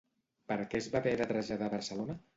Per què es va haver de traslladar a Barcelona?